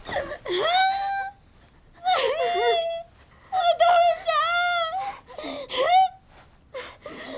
お父ちゃん！